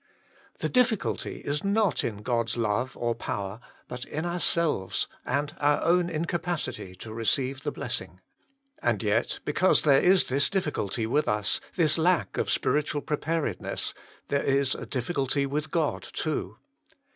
The difficulty is not in God s love or power, but in ourselves and our own incapacity to receive the blessing. And yet, because there is this difficulty BECAUSE OF HIS IMPORTUNITY 45 with us, this lack of spiritual preparedness, there is a difficulty with God too.